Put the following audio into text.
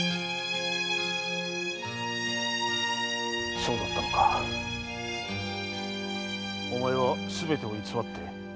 そうだったのかお前はすべてを偽って。